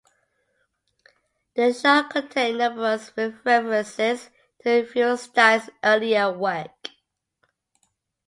The show contained numerous references to Feuerstein's earlier work.